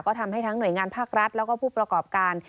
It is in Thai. ก็ทำให้ทั้งหน่วยงานภาครัฐแล้วก็ผู้ประกอบการ